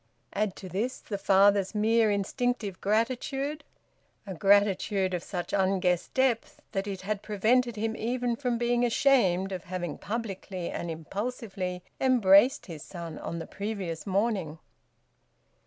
Add to this, the father's mere instinctive gratitude a gratitude of such unguessed depth that it had prevented him even from being ashamed of having publicly and impulsively embraced his son on the previous morning.